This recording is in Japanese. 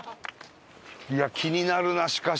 いや気になるなしかし。